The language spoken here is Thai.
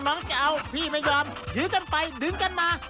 น้องจะเอาพี่ไม่ยอมถือกันไปดึงกันมา